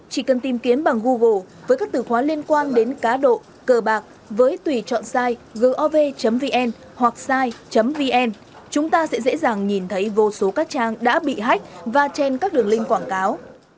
chỉ cần tìm kiếm bằng google với các từ khóa liên quan đến cá độ cờ bạc với tùy chọn sai gov vn hoặc sie vn chúng ta sẽ dễ dàng nhìn thấy vô số các trang đã bị hách và trên các đường linh quảng cáo